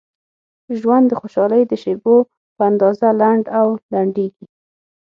ژوند د خوشحالۍ د شیبو په اندازه لنډ او لنډیږي.